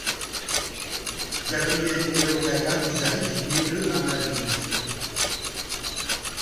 Gabriel Elorriaga Pisarik naît le à Madrid.